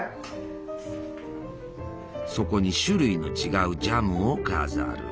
そこに種類の違うジャムを飾る。